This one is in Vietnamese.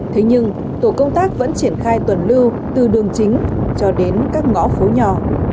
thế nhưng tổ công tác vẫn triển khai tuần lưu từ đường chính cho đến các ngõ phố nhỏ